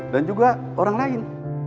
dan juga orang lain